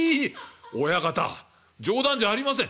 「親方冗談じゃありません。